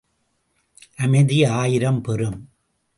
அமைதி ஆயிரம் பெறும்.